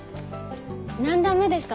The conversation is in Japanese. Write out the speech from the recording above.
何段目ですか？